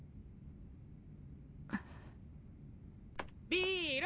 ビール！